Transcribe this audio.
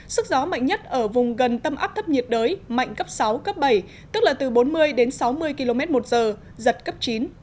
sức gió mạnh nhất ở vùng gần tâm áp thấp nhiệt đới mạnh cấp sáu cấp bảy tức là từ bốn mươi đến sáu mươi km một giờ giật cấp chín